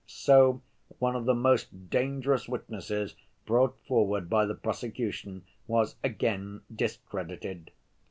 So one of the most dangerous witnesses brought forward by the prosecution was again discredited.